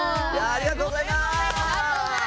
ありがとうございます！